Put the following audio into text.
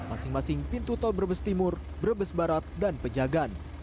masing masing pintu tol brebes timur brebes barat dan pejagan